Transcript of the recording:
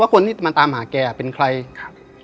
คนที่มาตามหาแกเป็นใครครับ